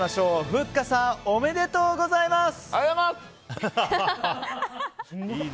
ふっかさんおめでとうございます！